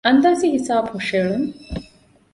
އަންދާސީ ހިސާބު ހުށަހެލުން